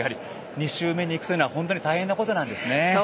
２週目にいくというのは本当に大変なことなんですね。